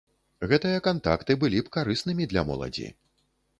Гэтыя кантакты былі б карыснымі для моладзі.